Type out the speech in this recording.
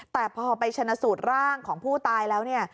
แต่พอไปชนะสูตรร่างของผู้ตายแล้วเนี่ย